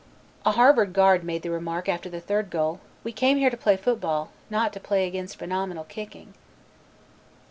A Harvard guard made the remark after the third goal, "We came here to play football, not to play against phenomenal kicking."